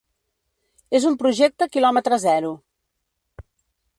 És un projecte quilòmetre zero.